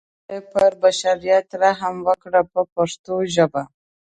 لوی خدای پر بشریت رحم وکړ په پښتو ژبه.